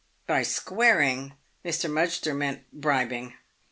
By squaring, Mr. Mudgster meant bribing.